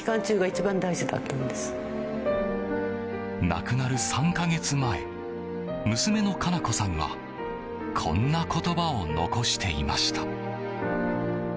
亡くなる３か月前娘の香夏子さんはこんな言葉を残していました。